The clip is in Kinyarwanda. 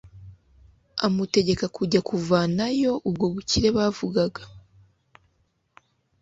amutegeka kujya kuvanayo ubwo bukire bavugaga